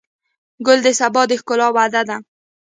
ګل د سبا د ښکلا وعده ده.